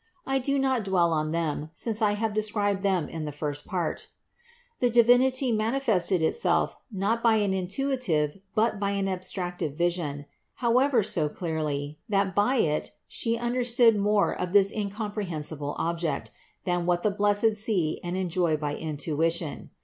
I do not dwell on them, since I have described them in the first part (Part I, 620 629). The Divinity manifested Itself not by an intuitive, but by an abstractive vision; however so clearly, that by it She understood more of this incomprehensible Object, than what the blessed see and enjoy by intuition.